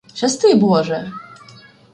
Щасти Боже!.